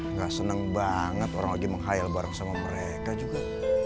nggak seneng banget orang lagi menghayal bareng sama mereka juga